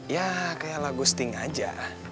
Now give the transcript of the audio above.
ya kayak lagu sting aja